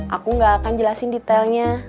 aku gak akan jelasin detailnya